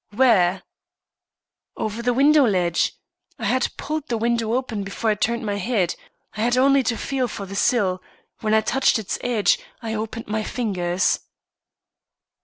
"Where?" "Over the window ledge. I had pulled the window open before I turned my head. I had only to feel for the sill. When I touched its edge, I opened my fingers."